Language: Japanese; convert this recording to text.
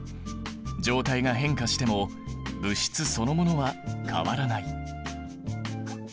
状態が変化しても物質そのものは変わらない。